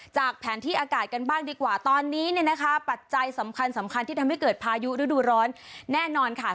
จากแผนที่อากาศกันบ้างดีกว่าตอนนี้เนี่ยนะคะปัจจัยสำคัญสำคัญที่ทำให้เกิดพายุฤดูร้อนแน่นอนค่ะ